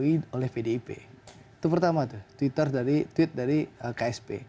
itu pertama tuh tweet dari ksp